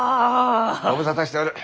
ご無沙汰しておる。